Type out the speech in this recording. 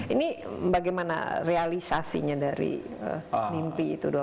ini bagaimana realisasinya dari mimpi itu dua belas tahun